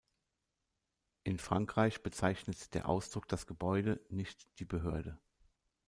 In Frankreich bezeichnet der Ausdruck das Gebäude, nicht die Behörde.